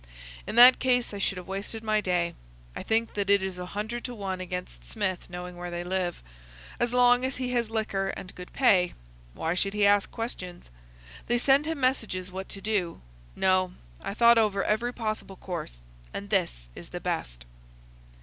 "In that case I should have wasted my day. I think that it is a hundred to one against Smith knowing where they live. As long as he has liquor and good pay, why should he ask questions? They send him messages what to do. No, I thought over every possible course, and this is the best."